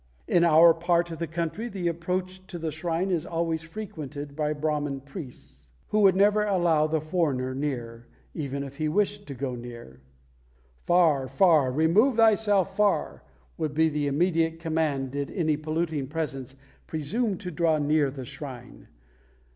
In our part of the country the approach to the shrine is always frequented by Brahman priests, who would never allow the foreigner near, even if he wished to go near. "Far, far! remove thyself far!" would be the immediate command, did any polluting presence presume to draw near the shrine.